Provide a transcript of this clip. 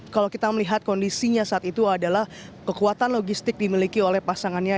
kalau kita melihat kondisinya saat itu adalah kekuatan logistik dimiliki oleh pasangannya